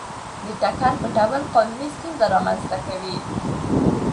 د ټکر پټول قانوني ستونزه رامنځته کوي.